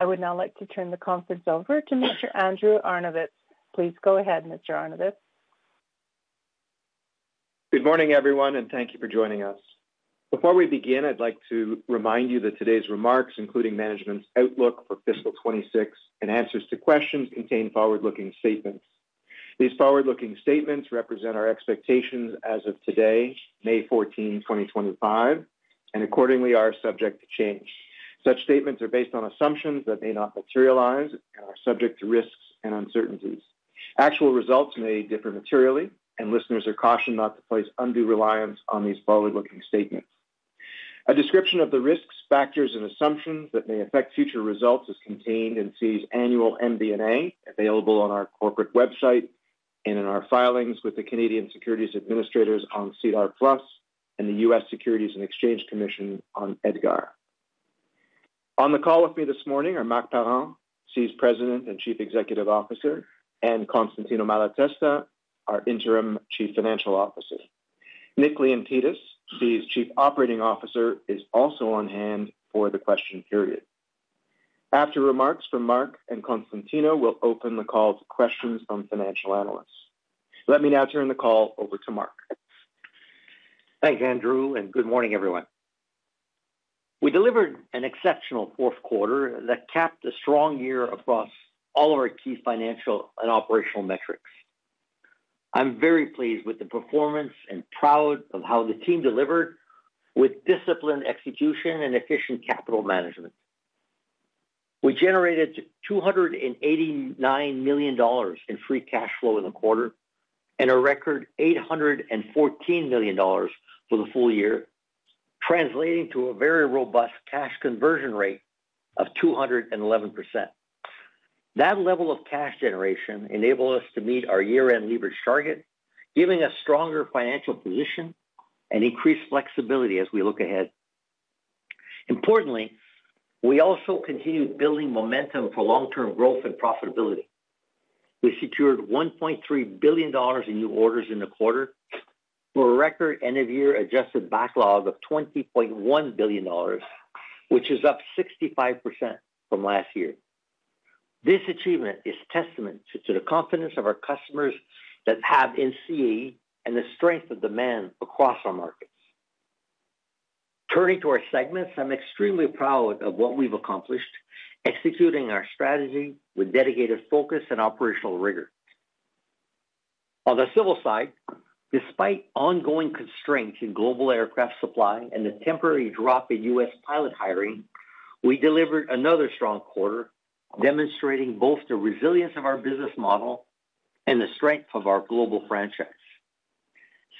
I would now like to turn the conference over to Mr. Andrew Arnovitz. Please go ahead, Mr. Arnovitz. Good morning, everyone, and thank you for joining us. Before we begin, I'd like to remind you that today's remarks, including management's outlook for fiscal 2026 and answers to questions, contain forward-looking statements. These forward-looking statements represent our expectations as of today, May 14, 2025, and accordingly are subject to change. Such statements are based on assumptions that may not materialize and are subject to risks and uncertainties. Actual results may differ materially, and listeners are cautioned not to place undue reliance on these forward-looking statements. A description of the risks, factors, and assumptions that may affect future results is contained in CAE's annual MD&A available on our corporate website and in our filings with the Canadian Securities Administrators on SEDAR+ and the U.S. Securities and Exchange Commission on EDGAR. On the call with me this morning are Marc Parent, CAE's President and Chief Executive Officer, and Constantino Malatesta, our Interim Chief Financial Officer. Nick Leontidis, CAE's Chief Operating Officer, is also on hand for the question period. After remarks from Marc and Constantino, we'll open the call to questions from financial analysts. Let me now turn the call over to Marc. Thanks, Andrew, and good morning, everyone. We delivered an exceptional fourth quarter that capped a strong year across all of our key financial and operational metrics. I'm very pleased with the performance and proud of how the team delivered with disciplined execution and efficient capital management. We generated 289 million dollars in free cash flow in the quarter and a record 814 million dollars for the full year, translating to a very robust cash conversion rate of 211%. That level of cash generation enabled us to meet our year-end leverage target, giving a stronger financial position and increased flexibility as we look ahead. Importantly, we also continued building momentum for long-term growth and profitability. We secured 1.3 billion dollars in new orders in the quarter for a record end-of-year adjusted backlog of 20.1 billion dollars, which is up 65% from last year. This achievement is a testament to the confidence our customers have in CAE and the strength of demand across our markets. Turning to our segments, I'm extremely proud of what we've accomplished, executing our strategy with dedicated focus and operational rigor. On the civil side, despite ongoing constraints in global aircraft supply and the temporary drop in U.S. pilot hiring, we delivered another strong quarter, demonstrating both the resilience of our business model and the strength of our global franchise.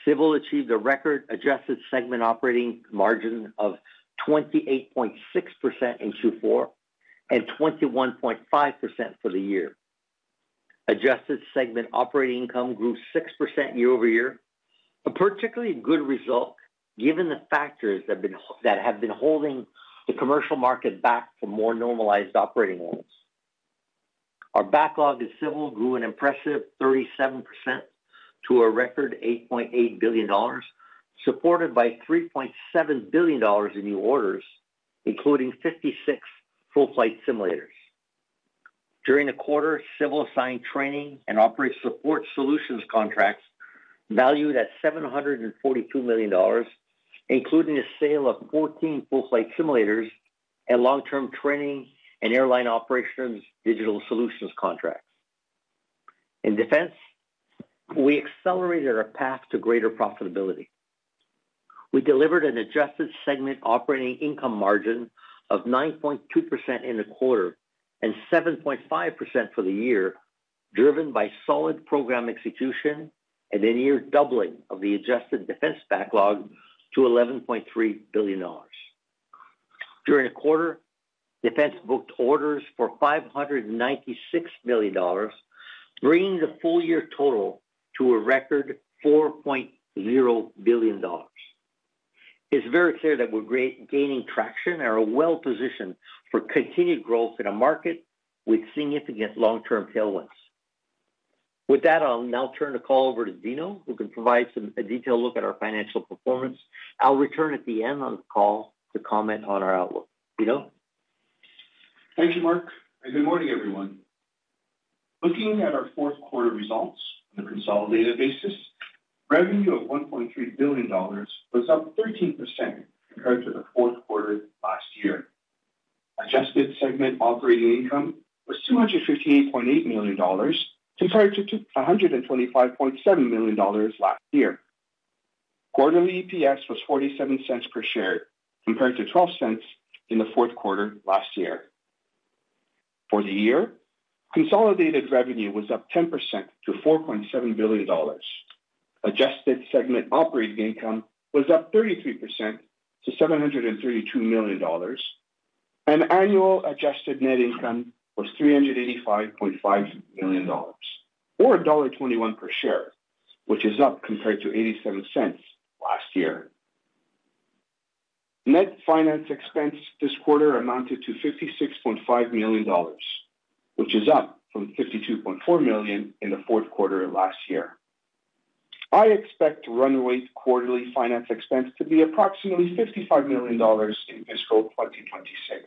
Civil achieved a record adjusted segment operating margin of 28.6% in Q4 and 21.5% for the year. Adjusted segment operating income grew 6% year-over-year, a particularly good result given the factors that have been holding the commercial market back from more normalized operating rules. Our backlog in civil grew an impressive 37% to a record 8.8 billion dollars, supported by 3.7 billion dollars in new orders, including 56 full-flight simulators. During the quarter, civil signed training and operational support solutions contracts valued at 742 million dollars, including the sale of 14 full-flight simulators and long-term training and airline operations digital solutions contracts. In defense, we accelerated our path to greater profitability. We delivered an adjusted segment operating income margin of 9.2% in the quarter and 7.5% for the year, driven by solid program execution and a year doubling of the adjusted defense backlog to 11.3 billion dollars. During the quarter, defense booked orders for 596 million dollars, bringing the full-year total to a record 4.0 billion dollars. It's very clear that we're gaining traction and are well-positioned for continued growth in a market with significant long-term tailwinds. With that, I'll now turn the call over to Dino, who can provide a detailed look at our financial performance. I'll return at the end of the call to comment on our outlook. Dino? Thank you, Marc. Good morning, everyone. Looking at our fourth quarter results on a consolidated basis, revenue of 1.3 billion dollars was up 13% compared to the fourth quarter last year. Adjusted segment operating income was 258.8 million dollars compared to 125.7 million dollars last year. Quarterly EPS was 0.47 per share compared to 0.12 in the fourth quarter last year. For the year, consolidated revenue was up 10% to 4.7 billion dollars. Adjusted segment operating income was up 33% to 732 million dollars. Annual adjusted net income was 385.5 million dollars, or dollar 1.21 per share, which is up compared to 0.87 last year. Net finance expense this quarter amounted to 56.5 million dollars, which is up from 52.4 million in the fourth quarter last year. I expect runway quarterly finance expense to be approximately 55 million dollars in fiscal 2026,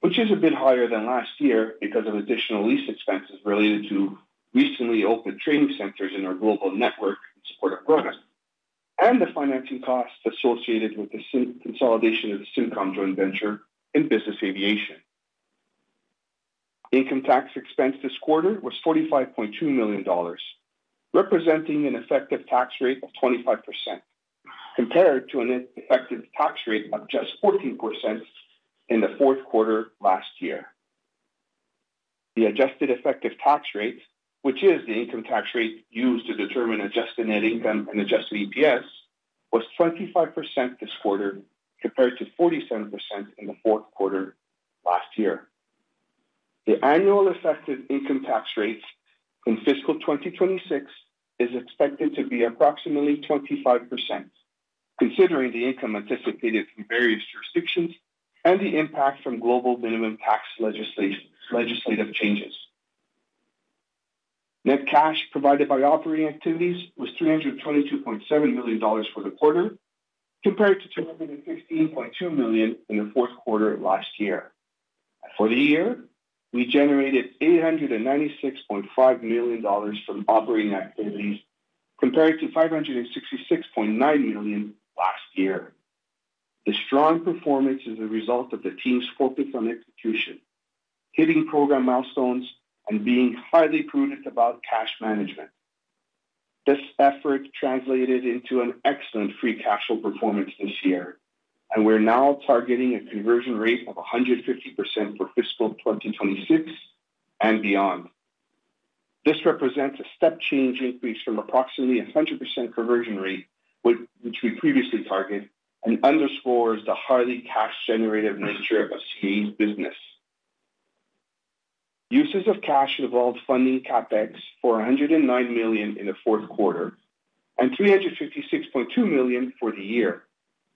which is a bit higher than last year because of additional lease expenses related to recently opened training centers in our global network in support of Grohna and the financing costs associated with the consolidation of the Simcom joint venture in business aviation. Income tax expense this quarter was 45.2 million dollars, representing an effective tax rate of 25% compared to an effective tax rate of just 14% in the fourth quarter last year. The adjusted effective tax rate, which is the income tax rate used to determine adjusted net income and adjusted EPS, was 25% this quarter compared to 47% in the fourth quarter last year. The annual effective income tax rate in fiscal 2026 is expected to be approximately 25%, considering the income anticipated from various jurisdictions and the impact from global minimum tax legislative changes. Net cash provided by operating activities was 322.7 million dollars for the quarter compared to 216.2 million in the fourth quarter last year. For the year, we generated 896.5 million dollars from operating activities compared to 566.9 million last year. The strong performance is a result of the team's focus on execution, hitting program milestones, and being highly prudent about cash management. This effort translated into an excellent free cash flow performance this year, and we're now targeting a conversion rate of 150% for fiscal 2026 and beyond. This represents a step-change increase from approximately 100% conversion rate, which we previously targeted, and underscores the highly cash-generative nature of CAE's business. Uses of cash involved funding CapEx for 109 million in the fourth quarter and 356.2 million for the year,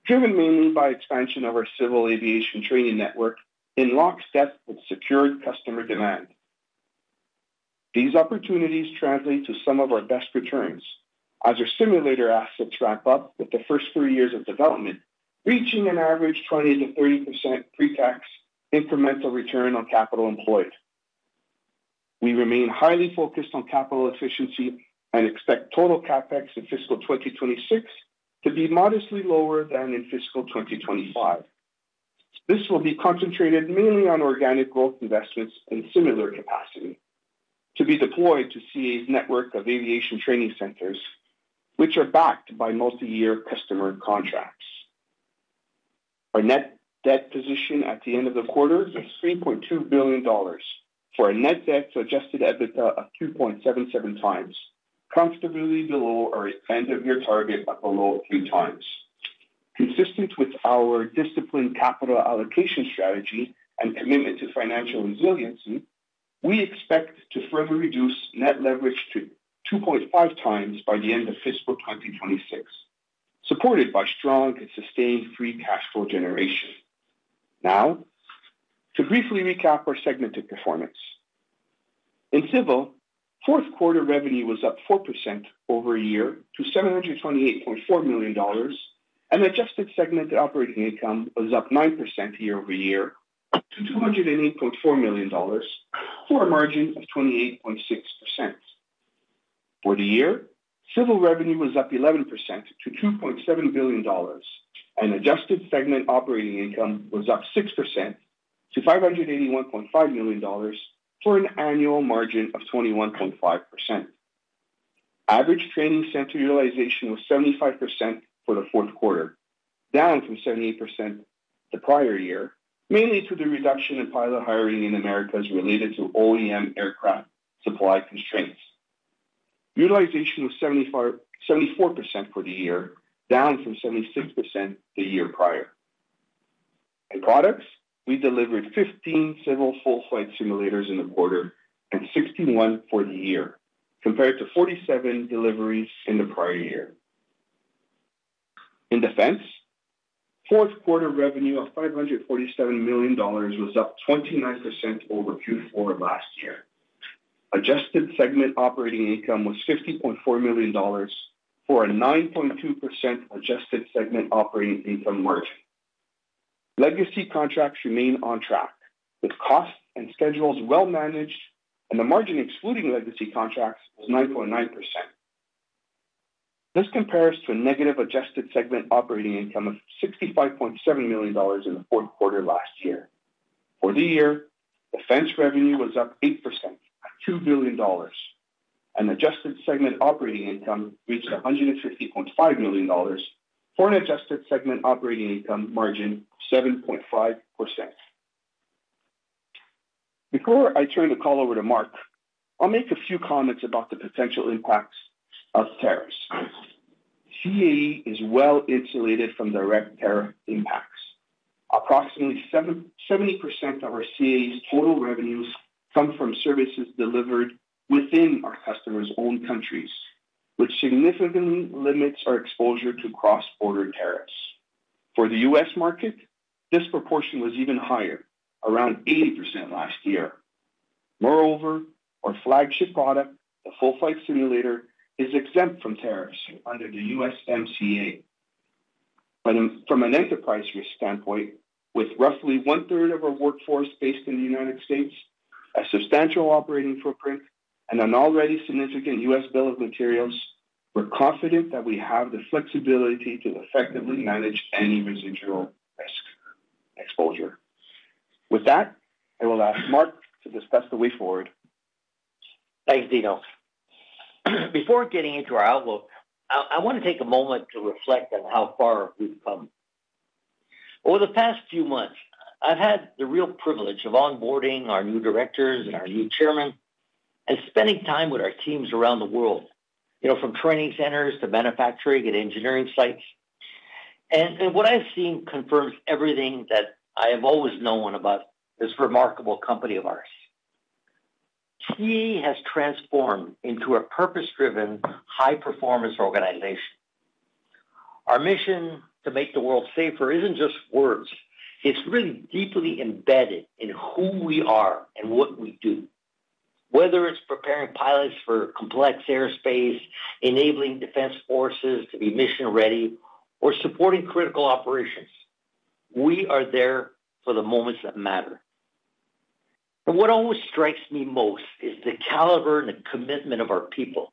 driven mainly by expansion of our civil aviation training network in lockstep with secured customer demand. These opportunities translate to some of our best returns as our simulator assets ramp up with the first three years of development, reaching an average 20%-30% pre-tax incremental return on capital employed. We remain highly focused on capital efficiency and expect total CapEx in fiscal 2026 to be modestly lower than in fiscal 2025. This will be concentrated mainly on organic growth investments in similar capacity to be deployed to CAE's network of aviation training centers, which are backed by multi-year customer contracts. Our net debt position at the end of the quarter was 3.2 billion dollars for a net debt-to-adjusted EBITDA of 2.77x, comfortably below our end-of-year target of below 3x. Consistent with our disciplined capital allocation strategy and commitment to financial resiliency, we expect to further reduce net leverage to 2.5x by the end of fiscal 2026, supported by strong and sustained free cash flow generation. Now, to briefly recap our segmented performance. In civil, fourth quarter revenue was up 4% over a year to 728.4 million dollars, and adjusted segment operating income was up 9% year-over-year to 208.4 million dollars for a margin of 28.6%. For the year, civil revenue was up 11% to 2.7 billion dollars, and adjusted segment operating income was up 6% to 581.5 million dollars for an annual margin of 21.5%. Average training center utilization was 75% for the fourth quarter, down from 78% the prior year, mainly due to the reduction in pilot hiring in the Americas related to OEM aircraft supply constraints. Utilization was 74% for the year, down from 76% the year prior. In products, we delivered 15 civil full-flight simulators in the quarter and 61 for the year, compared to 47 deliveries in the prior year. In defense, fourth quarter revenue of 547 million dollars was up 29% over Q4 last year. Adjusted segment operating income was 50.4 million dollars for a 9.2% adjusted segment operating income margin. Legacy contracts remain on track, with costs and schedules well-managed, and the margin excluding legacy contracts was 9.9%. This compares to a negative adjusted segment operating income of 65.7 million dollars in the fourth quarter last year. For the year, defense revenue was up 8% to 2 billion dollars, and adjusted segment operating income reached 150.5 million dollars for an adjusted segment operating income margin of 7.5%. Before I turn the call over to Marc, I'll make a few comments about the potential impacts of tariffs. CAE is well-insulated from direct tariff impacts. Approximately 70% of CAE's total revenues come from services delivered within our customers' own countries, which significantly limits our exposure to cross-border tariffs. For the U.S. market, this proportion was even higher, around 80% last year. Moreover, our flagship product, the full-flight simulator, is exempt from tariffs under the U.S. MCA. From an enterprise risk standpoint, with roughly one-third of our workforce based in the United States, a substantial operating footprint, and an already significant U.S. bill of materials, we're confident that we have the flexibility to effectively manage any residual risk exposure. With that, I will ask Marc to discuss the way forward. Thanks, Dino. Before getting into our outlook, I want to take a moment to reflect on how far we've come. Over the past few months, I've had the real privilege of onboarding our new directors and our new chairmen and spending time with our teams around the world, from training centers to manufacturing and engineering sites. What I've seen confirms everything that I have always known about this remarkable company of ours. CAE has transformed into a purpose-driven, high-performance organization. Our mission to make the world safer isn't just words; it's really deeply embedded in who we are and what we do. Whether it's preparing pilots for complex airspace, enabling defense forces to be mission-ready, or supporting critical operations, we are there for the moments that matter. What always strikes me most is the caliber and the commitment of our people.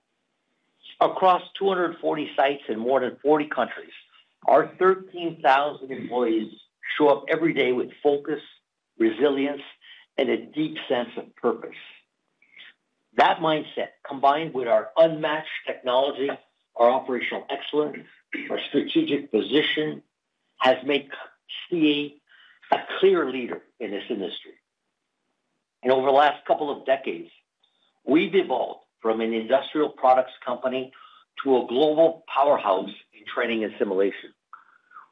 Across 240 sites in more than 40 countries, our 13,000 employees show up every day with focus, resilience, and a deep sense of purpose. That mindset, combined with our unmatched technology, our operational excellence, and our strategic position, has made CAE a clear leader in this industry. Over the last couple of decades, we've evolved from an industrial products company to a global powerhouse in training and simulation.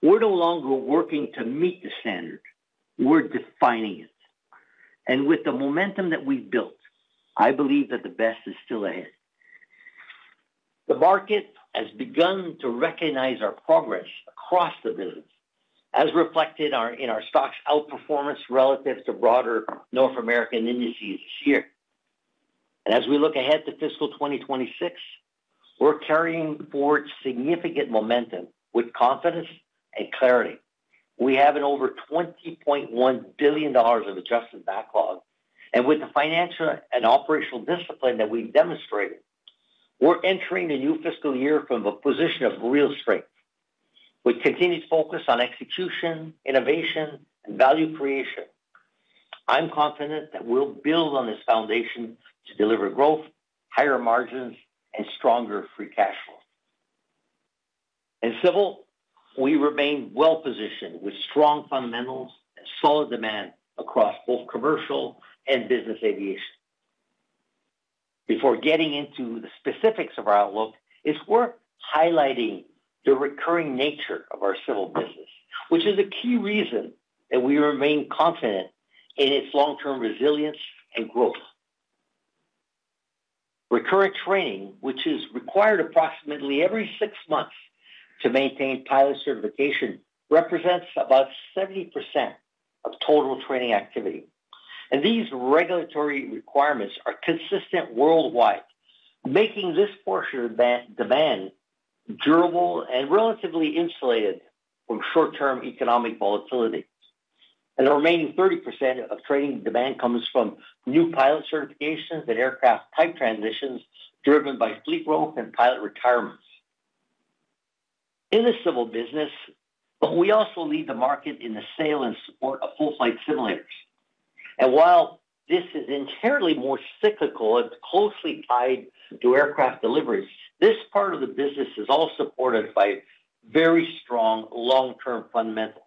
We're no longer working to meet the standard; we're defining it. With the momentum that we've built, I believe that the best is still ahead. The market has begun to recognize our progress across the business, as reflected in our stock's outperformance relative to broader North American indices this year. As we look ahead to fiscal 2026, we're carrying forward significant momentum with confidence and clarity. We have an over 20.1 billion dollars of adjusted backlog, and with the financial and operational discipline that we've demonstrated, we're entering the new fiscal year from a position of real strength. With continued focus on execution, innovation, and value creation, I'm confident that we'll build on this foundation to deliver growth, higher margins, and stronger free cash flow. In civil, we remain well-positioned with strong fundamentals and solid demand across both commercial and business aviation. Before getting into the specifics of our outlook, it's worth highlighting the recurring nature of our civil business, which is a key reason that we remain confident in its long-term resilience and growth. Recurrent training, which is required approximately every six months to maintain pilot certification, represents about 70% of total training activity. These regulatory requirements are consistent worldwide, making this portion of demand durable and relatively insulated from short-term economic volatility. The remaining 30% of training demand comes from new pilot certifications and aircraft type transitions driven by fleet growth and pilot retirements. In the civil business, we also lead the market in the sale and support of full-flight simulators. While this is inherently more cyclical and closely tied to aircraft deliveries, this part of the business is all supported by very strong long-term fundamentals.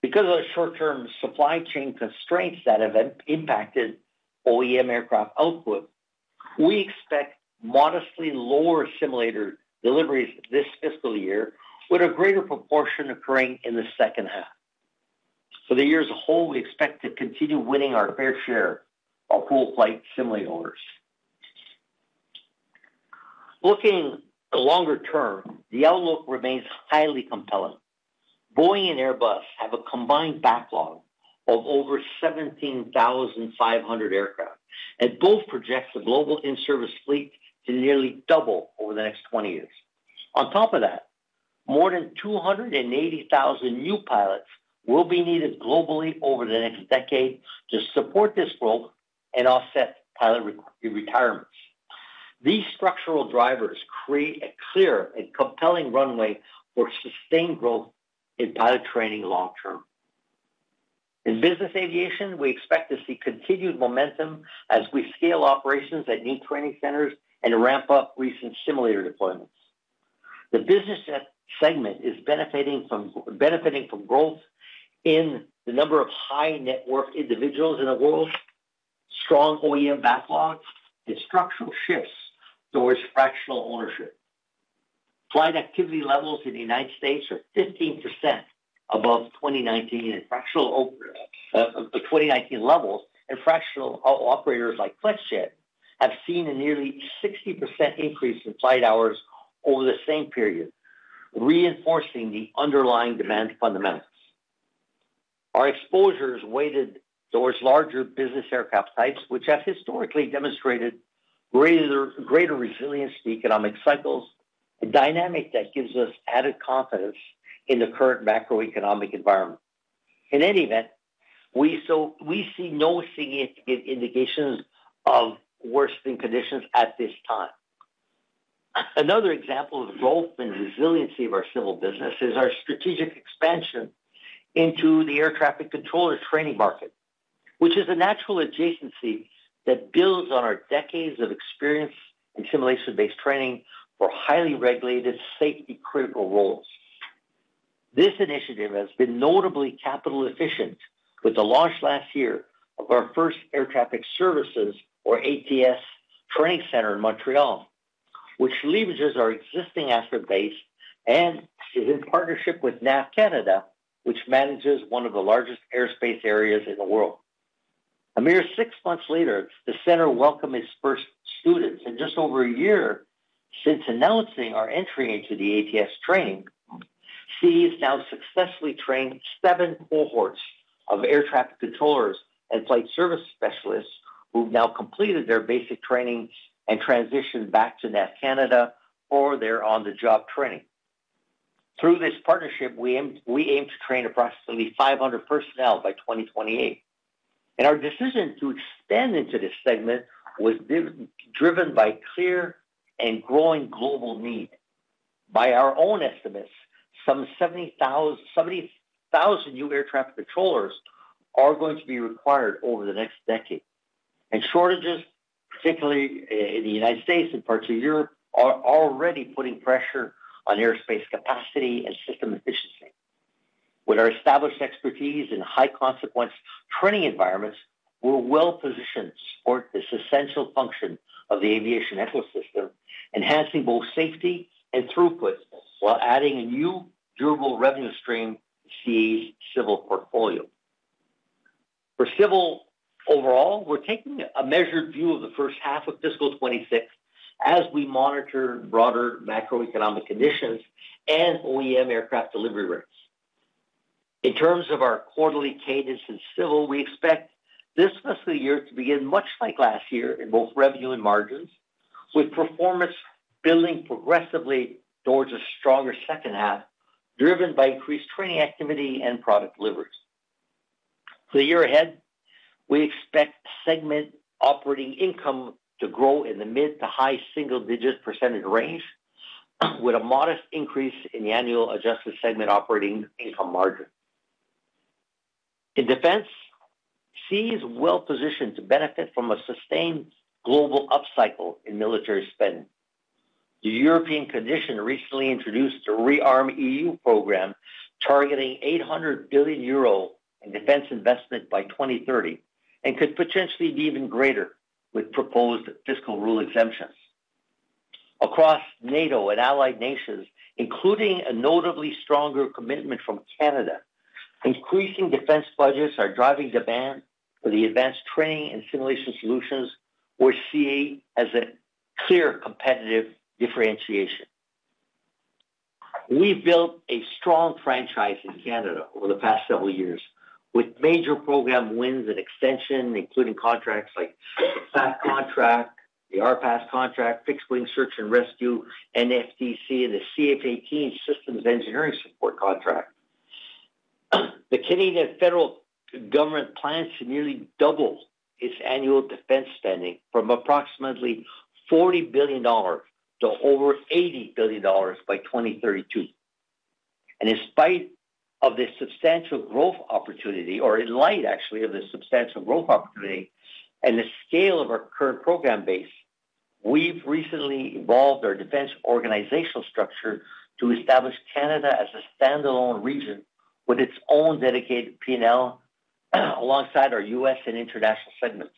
Because of the short-term supply chain constraints that have impacted OEM aircraft output, we expect modestly lower simulator deliveries this fiscal year, with a greater proportion occurring in the second half. For the year as a whole, we expect to continue winning our fair share of full-flight simulators. Looking longer term, the outlook remains highly compelling. Boeing and Airbus have a combined backlog of over 17,500 aircraft, and both project the global in-service fleet to nearly double over the next 20 years. On top of that, more than 280,000 new pilots will be needed globally over the next decade to support this growth and offset pilot retirements. These structural drivers create a clear and compelling runway for sustained growth in pilot training long-term. In business aviation, we expect to see continued momentum as we scale operations at new training centers and ramp up recent simulator deployments. The business segment is benefiting from growth in the number of high-net-worth individuals in the world, strong OEM backlog, and structural shifts towards fractional ownership. Flight activity levels in the U.S. are 15% above 2019 levels, and fractional operators like Flexjet have seen a nearly 60% increase in flight hours over the same period, reinforcing the underlying demand fundamentals. Our exposure is weighted towards larger business aircraft types, which have historically demonstrated greater resilience to economic cycles, a dynamic that gives us added confidence in the current macroeconomic environment. In any event, we see no significant indications of worsening conditions at this time. Another example of growth and resiliency of our civil business is our strategic expansion into the air traffic controller training market, which is a natural adjacency that builds on our decades of experience in simulation-based training for highly regulated, safety-critical roles. This initiative has been notably capital-efficient with the launch last year of our first air traffic services, or ATS, training center in Montreal, which leverages our existing asset base and is in partnership with NAV CANADA, which manages one of the largest airspace areas in the world. A mere six months later, the center welcomed its first students, and just over a year since announcing our entry into the ATS training, CAE has now successfully trained seven cohorts of air traffic controllers and flight service specialists who have now completed their basic training and transitioned back to NAV CANADA for their on-the-job training. Through this partnership, we aim to train approximately 500 personnel by 2028. Our decision to expand into this segment was driven by clear and growing global need. By our own estimates, some 70,000 new air traffic controllers are going to be required over the next decade. Shortages, particularly in the United States and parts of Europe, are already putting pressure on airspace capacity and system efficiency. With our established expertise in high-consequence training environments, we're well-positioned to support this essential function of the aviation ecosystem, enhancing both safety and throughput while adding a new durable revenue stream to CAE's civil portfolio. For civil overall, we're taking a measured view of the first half of fiscal 2026 as we monitor broader macroeconomic conditions and OEM aircraft delivery rates. In terms of our quarterly cadence in civil, we expect this fiscal year to begin much like last year in both revenue and margins, with performance building progressively towards a stronger second half driven by increased training activity and product deliveries. For the year ahead, we expect segment operating income to grow in the mid to high single-digit % range, with a modest increase in the annual adjusted segment operating income margin. In defense, CAE is well-positioned to benefit from a sustained global upcycle in military spending. The European Commission recently introduced a rearm EU program targeting 800 billion euro in defense investment by 2030 and could potentially be even greater with proposed fiscal rule exemptions. Across NATO and allied nations, including a notably stronger commitment from Canada, increasing defense budgets are driving demand for the advanced training and simulation solutions, where CAE has a clear competitive differentiation. We've built a strong franchise in Canada over the past several years, with major program wins and extensions, including contracts like the FACT contract, the ARPAS contract, fixed-wing search and rescue, NFDC, and the CFAT systems engineering support contract. The Canadian federal government plans to nearly double its annual defense spending from approximately 40 billion dollars to over 80 billion dollars by 2032. In spite of this substantial growth opportunity, or in light actually of this substantial growth opportunity and the scale of our current program base, we've recently evolved our defense organizational structure to establish Canada as a standalone region with its own dedicated P&L alongside our U.S. and international segments.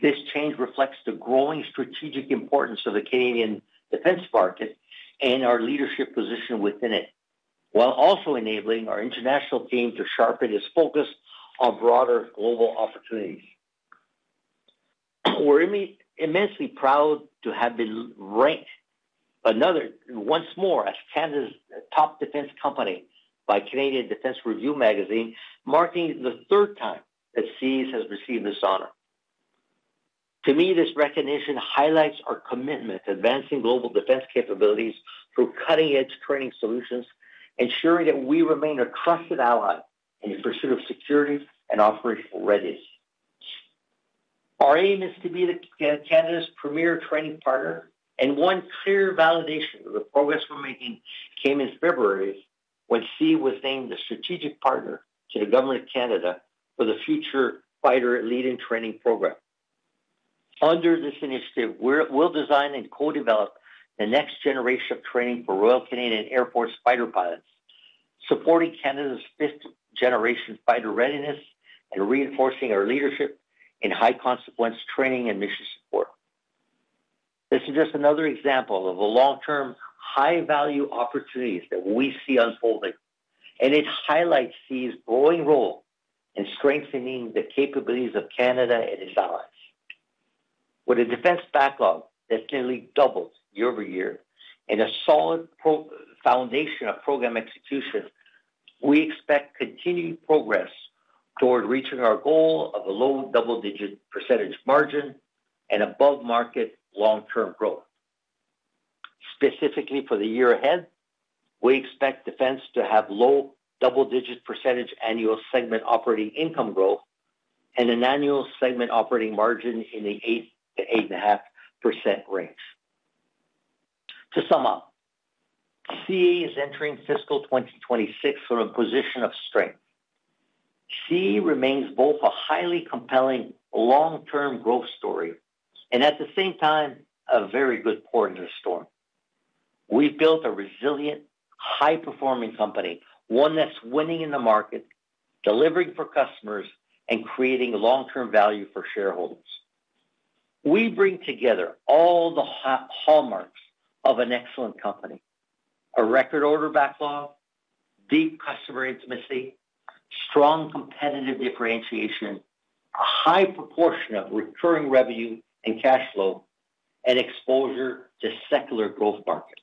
This change reflects the growing strategic importance of the Canadian defense market and our leadership position within it, while also enabling our international team to sharpen its focus on broader global opportunities. We're immensely proud to have been ranked once more as Canada's top defense company by Canadian Defense Review Magazine, marking the third time that CAE has received this honor. To me, this recognition highlights our commitment to advancing global defense capabilities through cutting-edge training solutions, ensuring that we remain a trusted ally in the pursuit of security and operational readiness. Our aim is to be Canada's premier training partner, and one clear validation of the progress we're making came in February when CAE was named a strategic partner to the Government of Canada for the Future Fighter Leading Training Program. Under this initiative, we'll design and co-develop the next generation of training for Royal Canadian Air Force fighter pilots, supporting Canada's fifth-generation fighter readiness and reinforcing our leadership in high-consequence training and mission support. This is just another example of the long-term high-value opportunities that we see unfolding, and it highlights CAE's growing role in strengthening the capabilities of Canada and its allies. With a defense backlog that's nearly doubled year over year and a solid foundation of program execution, we expect continued progress toward reaching our goal of a low double-digit % margin and above-market long-term growth. Specifically for the year ahead, we expect defense to have low double-digit % annual segment operating income growth and an annual segment operating margin in the 8%-8.5% range. To sum up, CAE is entering fiscal 2026 from a position of strength. CAE remains both a highly compelling long-term growth story and, at the same time, a very good port in the storm. We've built a resilient, high-performing company, one that's winning in the market, delivering for customers, and creating long-term value for shareholders. We bring together all the hallmarks of an excellent company: a record-order backlog, deep customer intimacy, strong competitive differentiation, a high proportion of recurring revenue and cash flow, and exposure to secular growth markets.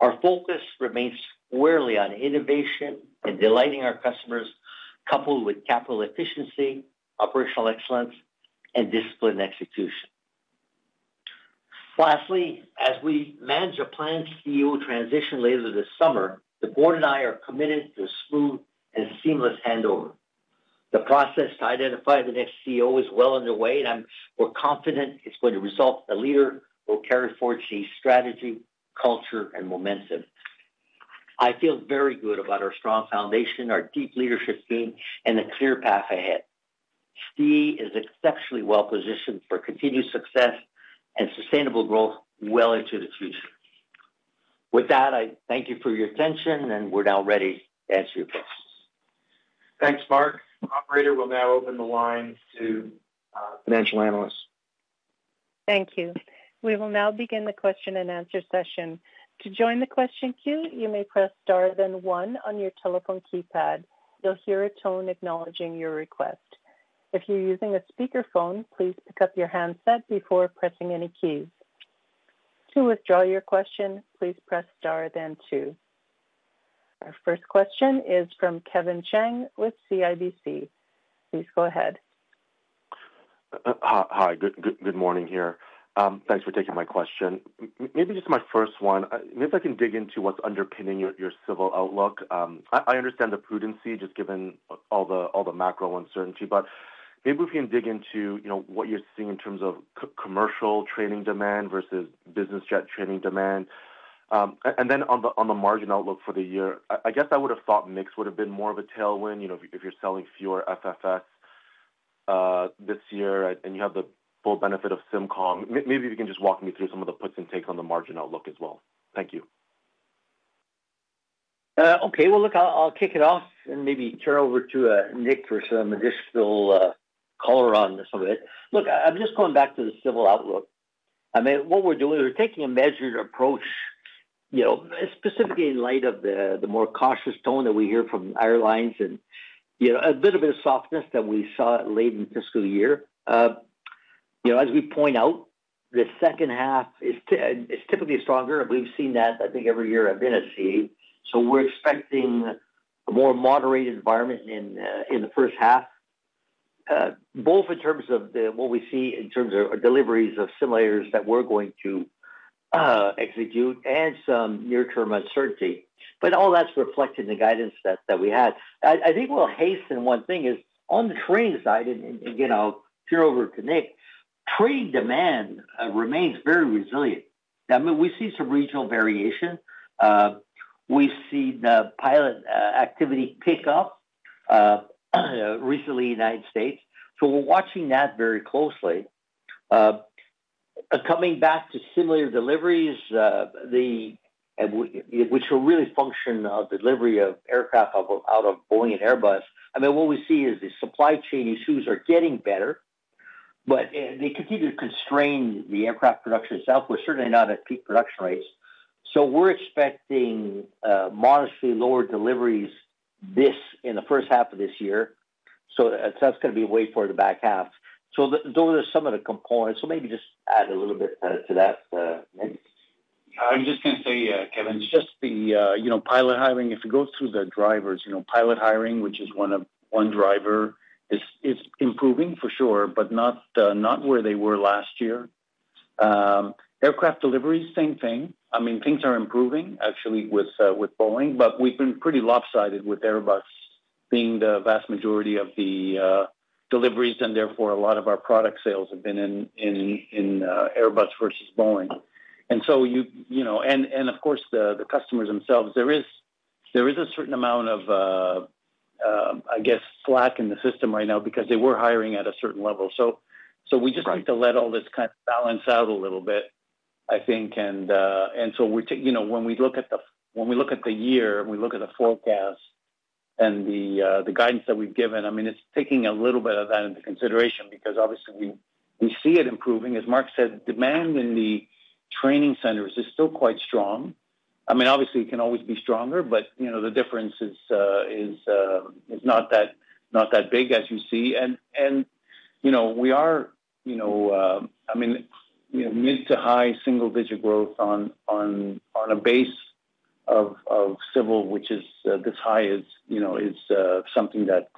Our focus remains squarely on innovation and delighting our customers, coupled with capital efficiency, operational excellence, and discipline execution. Lastly, as we manage a planned CEO transition later this summer, the board and I are committed to a smooth and seamless handover. The process to identify the next CEO is well underway, and we're confident it's going to result in a leader who will carry forward CAE's strategy, culture, and momentum. I feel very good about our strong foundation, our deep leadership team, and the clear path ahead. CAE is exceptionally well-positioned for continued success and sustainable growth well into the future. With that, I thank you for your attention, and we're now ready to answer your questions. Thanks, Marc. Operator will now open the line to financial analysts. Thank you. We will now begin the question and answer session. To join the question queue, you may press star then one on your telephone keypad. You'll hear a tone acknowledging your request. If you're using a speakerphone, please pick up your handset before pressing any keys. To withdraw your question, please press star then two. Our first question is from Kevin Chiang with CIBC. Please go ahead. Hi. Good morning here. Thanks for taking my question. Maybe just my first one. Maybe if I can dig into what's underpinning your civil outlook. I understand the prudency just given all the macro uncertainty, but maybe if we can dig into what you're seeing in terms of commercial training demand versus business jet training demand. And then on the margin outlook for the year, I guess I would have thought mix would have been more of a tailwind if you're selling fewer FFS this year and you have the full benefit of Simcom. Maybe if you can just walk me through some of the puts and takes on the margin outlook as well. Thank you. Okay. Look, I'll kick it off and maybe turn over to Nick for some additional color on some of it. Look, I'm just going back to the civil outlook. I mean, what we're doing, we're taking a measured approach, specifically in light of the more cautious tone that we hear from airlines and a bit of a softness that we saw late in fiscal year. As we point out, the second half is typically stronger. I've seen that, I think, every year I've been at CAE. We're expecting a more moderate environment in the first half, both in terms of what we see in terms of deliveries of simulators that we're going to execute and some near-term uncertainty. All that's reflected in the guidance that we had. I think we'll hasten one thing is on the training side, and turn over to Nick, training demand remains very resilient. We see some regional variation. We see the pilot activity pick up recently in the United States. So we're watching that very closely. Coming back to simulator deliveries, which are really a function of delivery of aircraft out of Boeing and Airbus, I mean, what we see is the supply chain issues are getting better, but they continue to constrain the aircraft production itself, but certainly not at peak production rates. We are expecting modestly lower deliveries in the first half of this year. That is going to be a way forward to the back half. Those are some of the components. Maybe just add a little bit to that, Nick. I'm just going to say, Kevin, just the pilot hiring. If you go through the drivers, pilot hiring, which is one driver, is improving for sure, but not where they were last year. Aircraft deliveries, same thing. I mean, things are improving, actually, with Boeing, but we've been pretty lopsided with Airbus being the vast majority of the deliveries, and therefore a lot of our product sales have been in Airbus versus Boeing. Of course, the customers themselves, there is a certain amount of, I guess, slack in the system right now because they were hiring at a certain level. We just need to let all this kind of balance out a little bit, I think. When we look at the year and we look at the forecast and the guidance that we've given, I mean, it's taking a little bit of that into consideration because obviously we see it improving. As Marc said, demand in the training centers is still quite strong. I mean, obviously, it can always be stronger, but the difference is not that big as you see. We are, I mean, mid to high single-digit growth on a base of civil, which is this high, is something that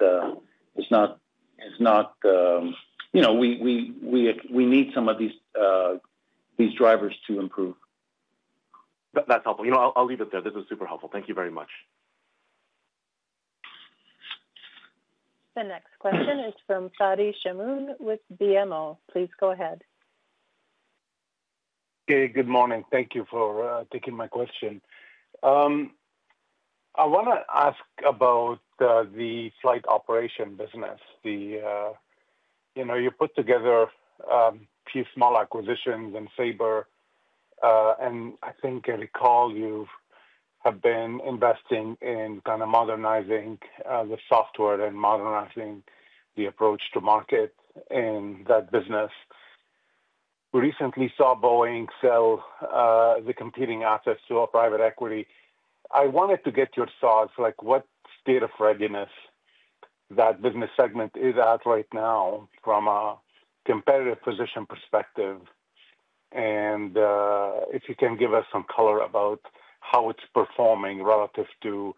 is not—we need some of these drivers to improve. That's helpful. I'll leave it there. This was super helpful. Thank you very much. The next question is from Fadi Chamoun with BMO Capital Markets. Please go ahead. Okay. Good morning. Thank you for taking my question. I want to ask about the flight operation business. You put together a few small acquisitions and Sabre, and I think I recall you have been investing in kind of modernizing the software and modernizing the approach to market in that business. We recently saw Boeing sell the competing assets to a private equity. I wanted to get your thoughts, what state of readiness that business segment is at right now from a competitive position perspective, and if you can give us some color about how it's performing relative to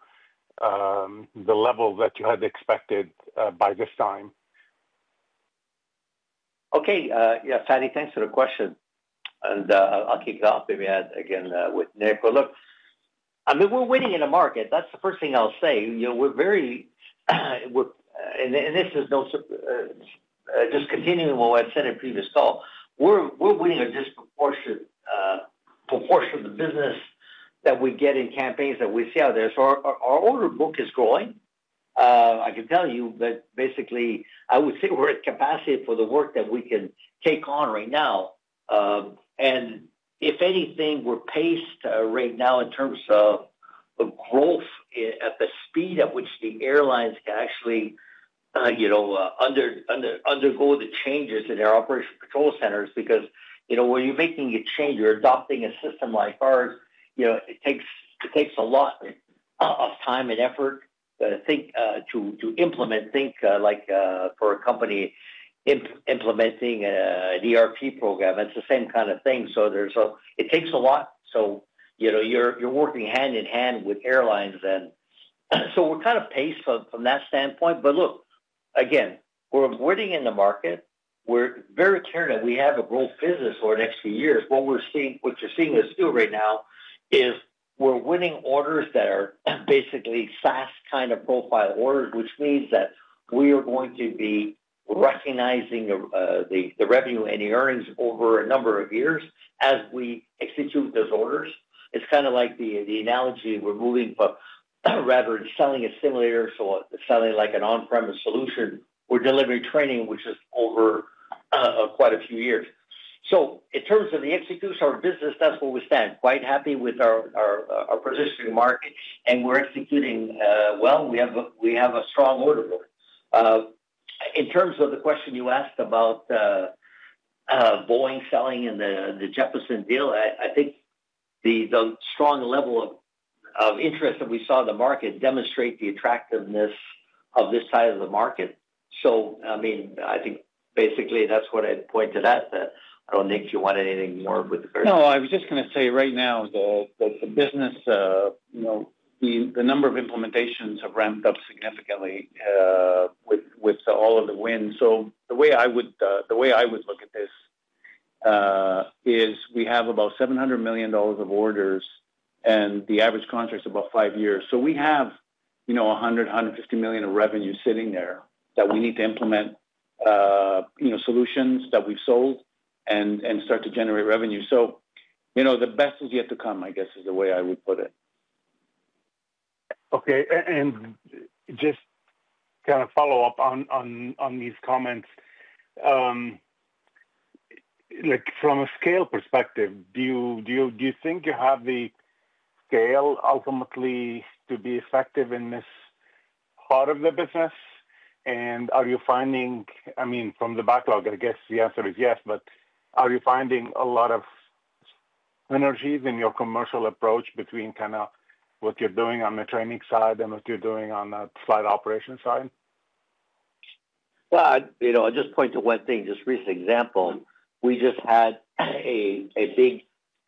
the level that you had expected by this time. Okay. Yeah, Fadi, thanks for the question. I'll kick it off maybe again with Nick. Look, I mean, we're winning in the market. That's the first thing I'll say. We're very—this is just continuing what I've said in previous calls—we're winning a disproportionate proportion of the business that we get in campaigns that we see out there. Our order book is growing, I can tell you, but basically, I would say we're at capacity for the work that we can take on right now. If anything, we're paced right now in terms of growth at the speed at which the airlines can actually undergo the changes in their operational control centers because when you're making a change, you're adopting a system like ours. It takes a lot of time and effort to implement, think like for a company implementing an ERP program. It's the same kind of thing. It takes a lot. You're working hand in hand with airlines. We're kind of paced from that standpoint. Look, again, we're winning in the market. We're very clear that we have a growth business over the next few years. What you're seeing us do right now is we're winning orders that are basically SaaS kind of profile orders, which means that we are going to be recognizing the revenue and the earnings over a number of years as we execute those orders. It's kind of like the analogy, we're moving from rather than selling a simulator, so selling like an on-premise solution, we're delivering training, which is over quite a few years. In terms of the execution of our business, that's where we stand. Quite happy with our position in the market, and we're executing well. We have a strong order book. In terms of the question you asked about Boeing selling and the Jeppesen deal, I think the strong level of interest that we saw in the market demonstrates the attractiveness of this side of the market. I mean, I think basically that's what I pointed at. I don't think you want anything more with the question. No, I was just going to say right now that the business, the number of implementations have ramped up significantly with all of the wind. The way I would look at this is we have about 700 million dollars of orders, and the average contract's about five years. We have 100 million-150 million of revenue sitting there that we need to implement solutions that we've sold and start to generate revenue. The best is yet to come, I guess, is the way I would put it. Okay. Just kind of follow up on these comments. From a scale perspective, do you think you have the scale ultimately to be effective in this part of the business? Are you finding, I mean, from the backlog, I guess the answer is yes, but are you finding a lot of synergies in your commercial approach between kind of what you are doing on the training side and what you are doing on the flight operation side? I will just point to one thing, just a recent example. We just had a big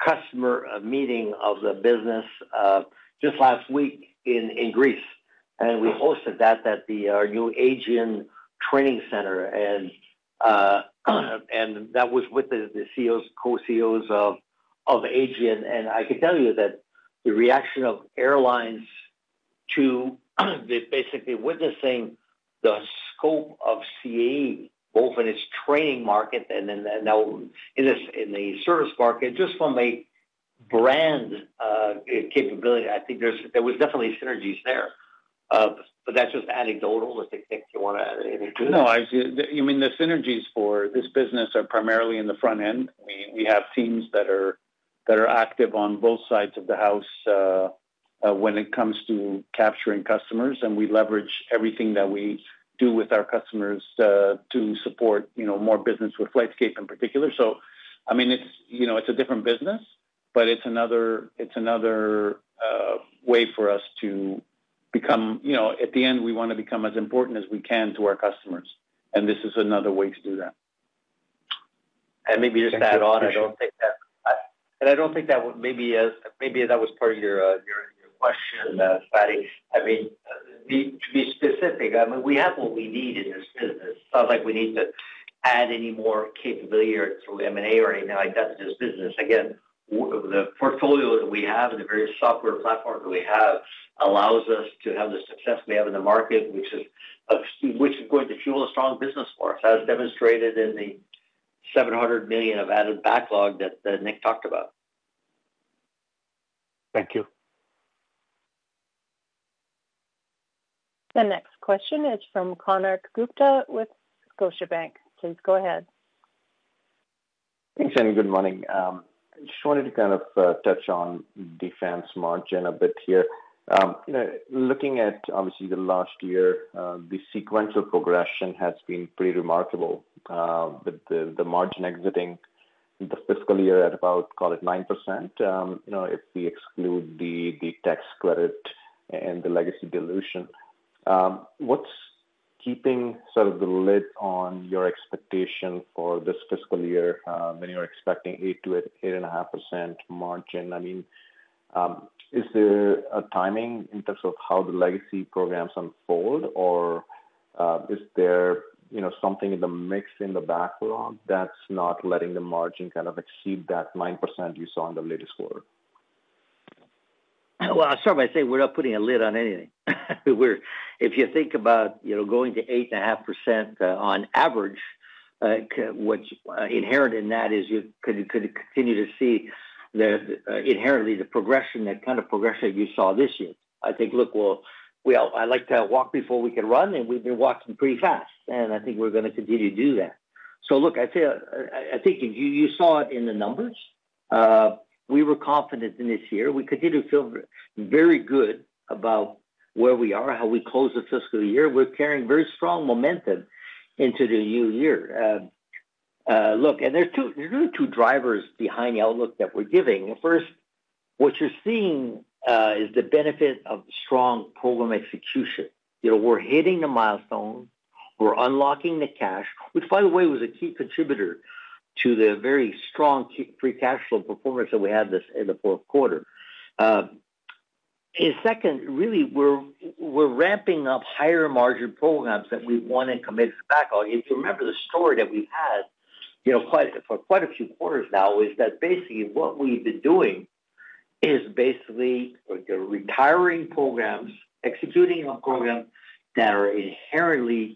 customer meeting of the business just last week in Greece. We hosted that at our new Aegean training center. That was with the co-CEOs of Aegean. I can tell you that the reaction of airlines to basically witnessing the scope of CAE, both in its training market and now in the service market, just from a brand capability, I think there was definitely synergies there. That is just anecdotal. If you want to add anything to it. No, I see. I mean, the synergies for this business are primarily in the front end. We have teams that are active on both sides of the house when it comes to capturing customers. We leverage everything that we do with our customers to support more business with FlightScape in particular. I mean, it is a different business, but it is another way for us to become, at the end, we want to become as important as we can to our customers. This is another way to do that. Maybe just to add on, I do not think that—and I do not think that maybe that was part of your question, Fadi. I mean, to be specific, we have what we need in this business. It is not like we need to add any more capability or through M&A or anything like that to this business. Again, the portfolio that we have and the various software platforms that we have allows us to have the success we have in the market, which is going to fuel a strong business for us, as demonstrated in the 700 million of added backlog that Nick talked about. Thank you. The next question is from Konark Gupta with Scotiabank. Please go ahead. Thanks, and good morning. I just wanted to kind of touch on defense margin a bit here. Looking at, obviously, the last year, the sequential progression has been pretty remarkable with the margin exiting the fiscal year at about, call it, 9% if we exclude the tax credit and the legacy dilution. What's keeping sort of the lid on your expectation for this fiscal year when you're expecting 8-8.5% margin? I mean, is there a timing in terms of how the legacy programs unfold, or is there something in the mix in the backlog that's not letting the margin kind of exceed that 9% you saw in the latest quarter? I'll start by saying we're not putting a lid on anything. If you think about going to 8.5% on average, what's inherent in that is you could continue to see inherently the progression, that kind of progression that you saw this year. I think, look, I like to walk before we can run, and we've been walking pretty fast. I think we're going to continue to do that. I think you saw it in the numbers. We were confident in this year. We continue to feel very good about where we are, how we closed the fiscal year. We're carrying very strong momentum into the new year. There's really two drivers behind the outlook that we're giving. First, what you're seeing is the benefit of strong program execution. We're hitting the milestone. We're unlocking the cash, which, by the way, was a key contributor to the very strong free cash flow performance that we had in the fourth quarter. Second, really, we're ramping up higher margin programs that we want to commit to the backlog. If you remember the story that we've had for quite a few quarters now, is that basically what we've been doing is retiring programs, executing on programs that have inherently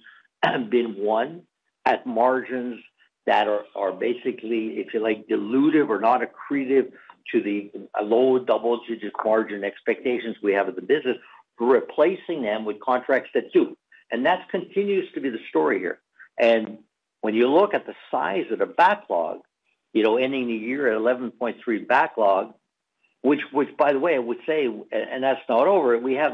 been won at margins that are, if you like, dilutive or not accretive to the low double-digit margin expectations we have of the business, replacing them with contracts that do. That continues to be the story here. When you look at the size of the backlog, ending the year at 11.3 billion backlog, which, by the way, I would say, and that's not over, we have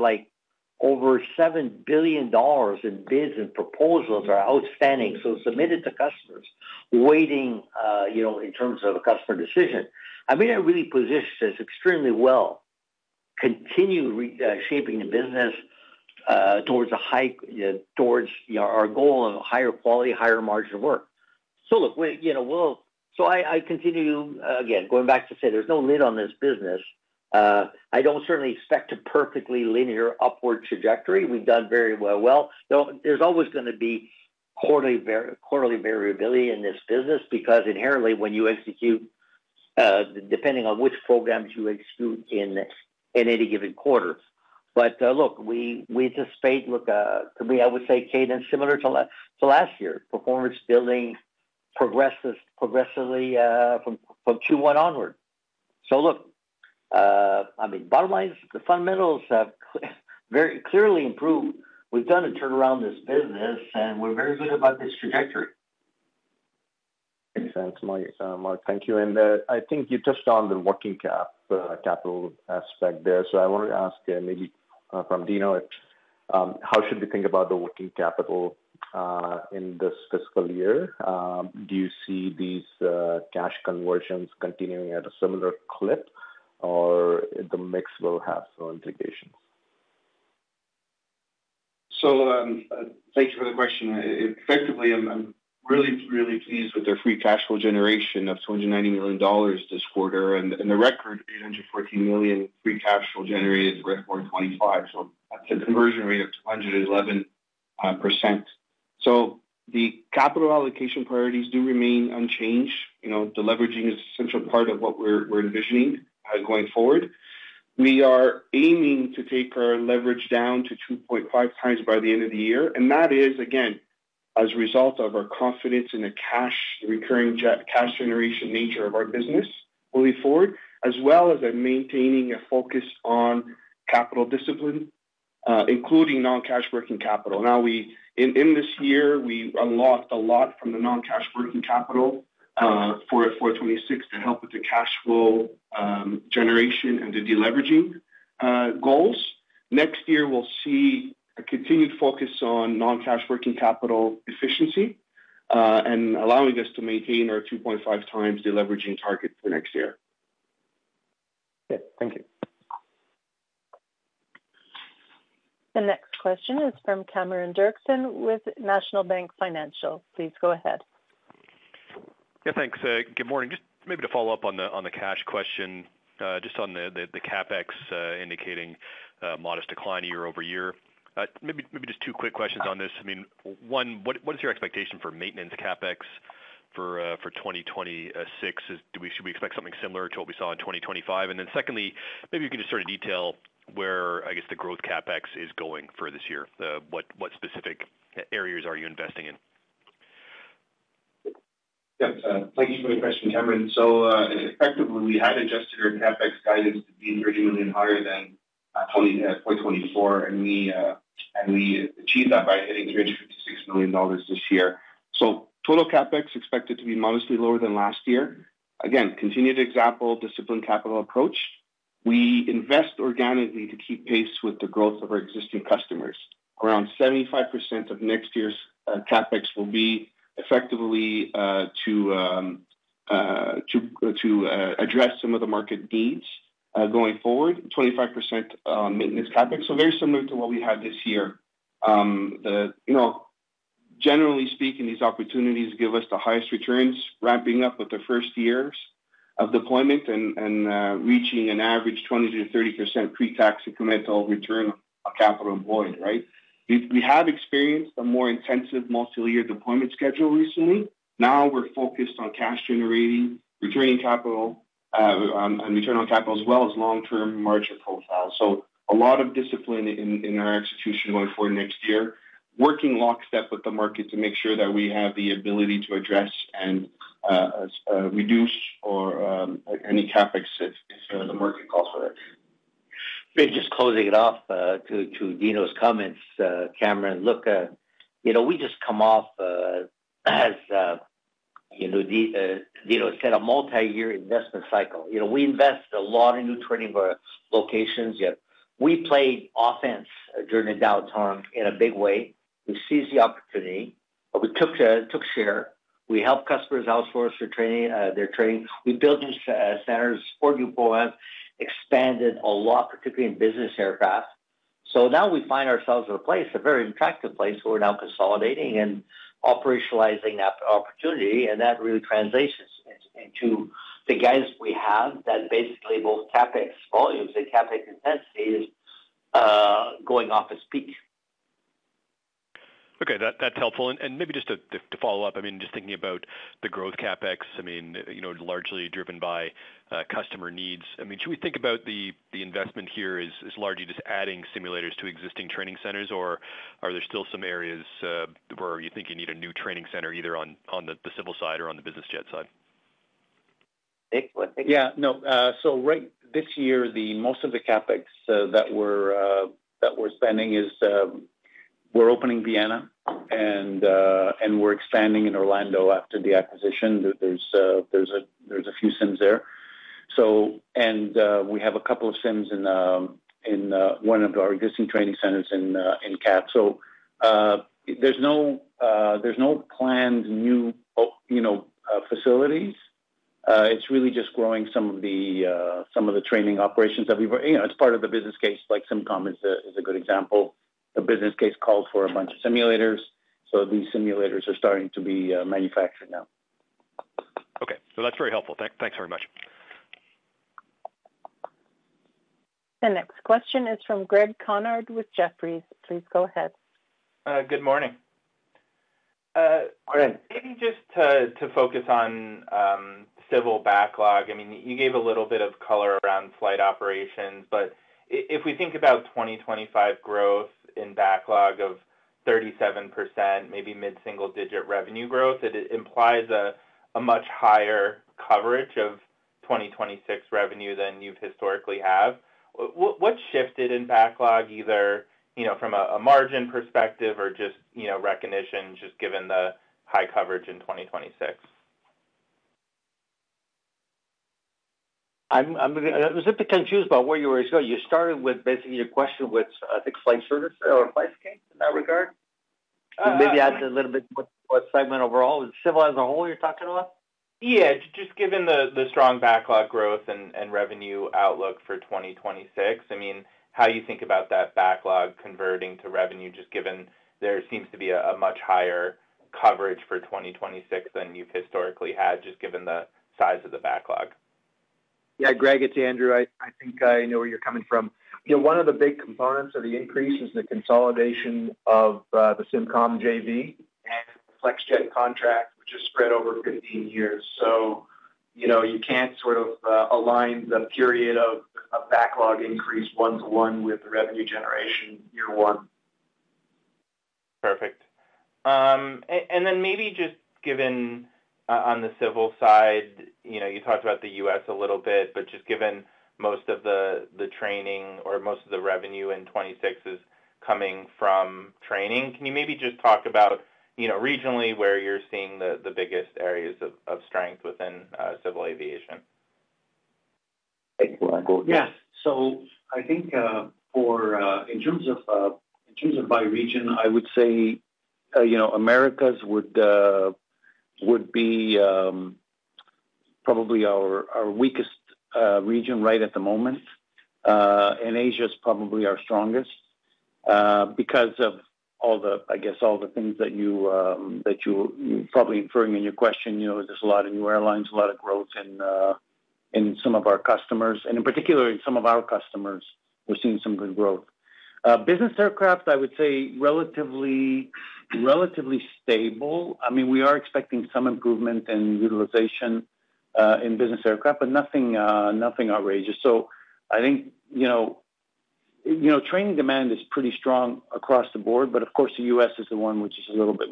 over 7 billion dollars in bids and proposals that are outstanding, so submitted to customers, waiting in terms of a customer decision. I mean, it really positions us extremely well, continually shaping the business towards our goal of higher quality, higher margin of work. Look, I continue, again, going back to say there's no lid on this business. I don't certainly expect a perfectly linear upward trajectory. We've done very well. There's always going to be quarterly variability in this business because inherently, when you execute, depending on which programs you execute in any given quarter. Look, we anticipate, I would say cadence similar to last year, performance building progressively from Q1 onward. Look, I mean, bottom line, the fundamentals have very clearly improved. We've done a turnaround in this business, and we're very good about this trajectory. Thanks, Mark. Thank you. I think you touched on the working capital aspect there. I wanted to ask maybe from Dino, how should we think about the working capital in this fiscal year? Do you see these cash conversions continuing at a similar clip, or the mix will have some implications? Thank you for the question. Effectively, I'm really, really pleased with their free cash flow generation of 290 million dollars this quarter. The record, 814 million free cash flow generated in the rest of 2025. That is a conversion rate of 211%. The capital allocation priorities do remain unchanged. The leveraging is a central part of what we're envisioning going forward. We are aiming to take our leverage down to 2.5x by the end of the year. That is, again, as a result of our confidence in the cash, the recurring cash generation nature of our business moving forward, as well as maintaining a focus on capital discipline, including non-cash working capital. Now, in this year, we unlocked a lot from the non-cash working capital for 2026 to help with the cash flow generation and the deleveraging goals. Next year, we'll see a continued focus on non-cash working capital efficiency and allowing us to maintain our 2.5x deleveraging target for next year. Okay. Thank you. The next question is from Cameron Doerksen with National Bank Financial. Please go ahead. Yeah, thanks. Good morning. Just maybe to follow up on the cash question, just on the CapEx indicating modest decline year over year. Maybe just two quick questions on this. I mean, one, what is your expectation for maintenance CapEx for 2026? Should we expect something similar to what we saw in 2025? And then secondly, maybe you can just sort of detail where, I guess, the growth CapEx is going for this year. What specific areas are you investing in? Yep. Thank you for the question, Cameron. So effectively, we had adjusted our CapEx guidance to be 30 million higher than 2024. And we achieved that by hitting 356 million dollars this year. Total CapEx expected to be modestly lower than last year. Again, continued example, discipline capital approach. We invest organically to keep pace with the growth of our existing customers. Around 75% of next year's CapEx will be effectively to address some of the market needs going forward, 25% maintenance CapEx. Very similar to what we had this year. Generally speaking, these opportunities give us the highest returns, ramping up with the first years of deployment and reaching an average 20%-30% pre-tax incremental return on capital employed, right? We have experienced a more intensive multi-year deployment schedule recently. Now we're focused on cash generating, returning capital, and return on capital as well as long-term margin profile. A lot of discipline in our execution going forward next year, working lockstep with the market to make sure that we have the ability to address and reduce any CapEx if the market calls for it. Just closing it off to Dino's comments, Cameron, look, we just come off, as Dino said, a multi-year investment cycle. We invest a lot in new training locations. We played offense during the downturn in a big way. We seized the opportunity. We took share. We helped customers outsource their training. We built new centers, support new programs, expanded a lot, particularly in business aircraft. Now we find ourselves in a place, a very attractive place, where we're now consolidating and operationalizing that opportunity. That really translates into the guidance we have that basically both CapEx volumes and CapEx intensity is going off its peak. Okay. That's helpful. Maybe just to follow up, I mean, just thinking about the growth CapEx, I mean, largely driven by customer needs. I mean, should we think about the investment here as largely just adding simulators to existing training centers, or are there still some areas where you think you need a new training center either on the civil side or on the business jet side? Yeah. No. So right this year, most of the CapEx that we're spending is we're opening Vienna, and we're expanding in Orlando after the acquisition. There's a few Sims there. And we have a couple of Sims in one of our existing training centers in CAP. So there's no planned new facilities. It's really just growing some of the training operations that we've already—it's part of the business case. SimCom is a good example. The business case calls for a bunch of simulators. So these simulators are starting to be manufactured now. Okay. That's very helpful. Thanks very much. The next question is from Greg Konrad with Jefferies. Please go ahead. Good morning. Good. Maybe just to focus on civil backlog. I mean, you gave a little bit of color around flight operations. If we think about 2025 growth in backlog of 37%, maybe mid-single-digit revenue growth, it implies a much higher coverage of 2026 revenue than you've historically had. What shifted in backlog, either from a margin perspective or just recognition, just given the high coverage in 2026? I'm a little bit confused about where you were at. You started with basically your question with, I think, flight service or flight scale in that regard. Maybe add a little bit more segment overall. Civil as a whole, you're talking about? Yeah. Just given the strong backlog growth and revenue outlook for 2026, I mean, how you think about that backlog converting to revenue, just given there seems to be a much higher coverage for 2026 than you've historically had, just given the size of the backlog. Yeah. Greg, it's Andrew. I think I know where you're coming from. One of the big components of the increase is the consolidation of the SimCom JV and the Flexjet contract, which is spread over 15 years. You can't sort of align the period of backlog increase one-to-one with revenue generation year one. Perfect. Maybe just given on the civil side, you talked about the U.S. a little bit, but just given most of the training or most of the revenue in 2026 is coming from training, can you maybe just talk about regionally where you're seeing the biggest areas of strength within civil aviation? Yes. I think in terms of by region, I would say Americas would be probably our weakest region right at the moment. Asia is probably our strongest because of, I guess, all the things that you're probably inferring in your question. There's a lot of new airlines, a lot of growth in some of our customers. In particular, in some of our customers, we're seeing some good growth. Business aircraft, I would say, relatively stable. I mean, we are expecting some improvement in utilization in business aircraft, but nothing outrageous. I think training demand is pretty strong across the board. Of course, the U.S. is the one which is a little bit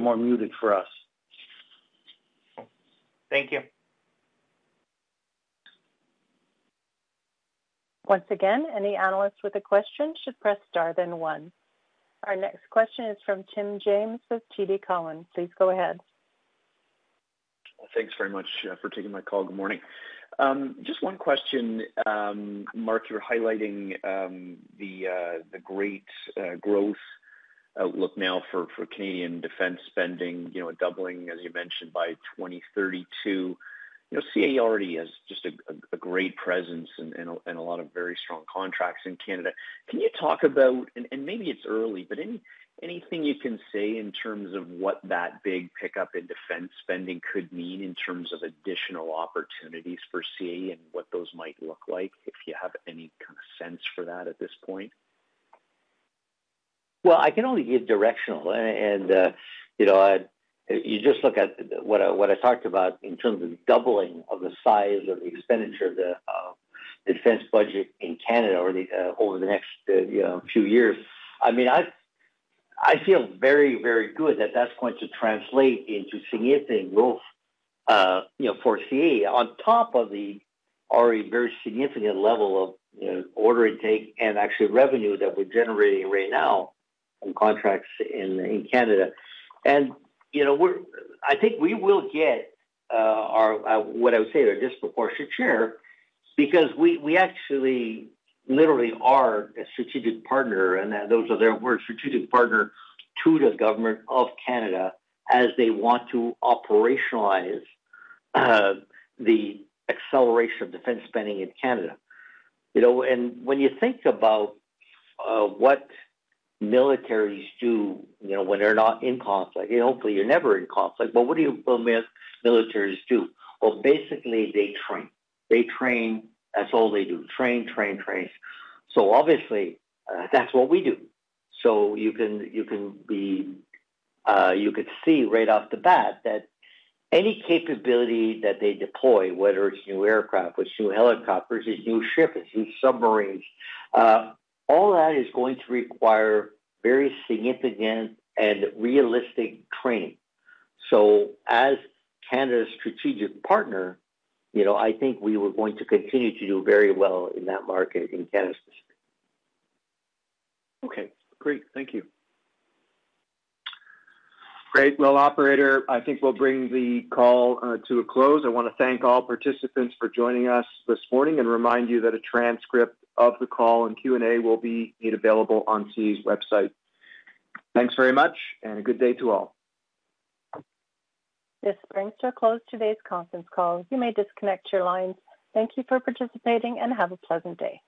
more muted for us. Thank you. Once again, any analyst with a question should press star then one. Our next question is from Tim James with TD Cowen. Please go ahead. Thanks very much for taking my call. Good morning. Just one question, Marc. You were highlighting the great growth outlook now for Canadian defense spending, doubling, as you mentioned, by 2032. CAE already has just a great presence and a lot of very strong contracts in Canada. Can you talk about—and maybe it's early—but anything you can say in terms of what that big pickup in defense spending could mean in terms of additional opportunities for CAE and what those might look like, if you have any kind of sense for that at this point? I can only give directional. You just look at what I talked about in terms of doubling of the size of the expenditure of the defense budget in Canada over the next few years. I mean, I feel very, very good that that is going to translate into significant growth for CAE on top of the already very significant level of order intake and actually revenue that we are generating right now from contracts in Canada. I think we will get what I would say is a disproportionate share because we actually literally are a strategic partner. Those are their words, strategic partner to the government of Canada as they want to operationalize the acceleration of defense spending in Canada. When you think about what militaries do when they are not in conflict—and hopefully, you are never in conflict—but what do militaries do? Basically, they train. They train. That's all they do: train, train, train. Obviously, that's what we do. You can see right off the bat that any capability that they deploy, whether it's new aircraft, whether it's new helicopters, it's new ships, it's new submarines, all that is going to require very significant and realistic training. As Canada's strategic partner, I think we are going to continue to do very well in that market in Canada specifically. Okay. Great. Thank you. Great. Operator, I think we'll bring the call to a close. I want to thank all participants for joining us this morning and remind you that a transcript of the call and Q&A will be made available on CAE's website. Thanks very much, and a good day to all. This brings to a close today's conference call. You may disconnect your lines. Thank you for participating and have a pleasant day.